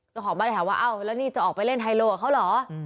เจ้าของบ้านถามว่าเอ้าแล้วนี่จะออกไปเล่นไฮโลกับเขาเหรอ